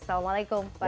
assalamualaikum pak kiai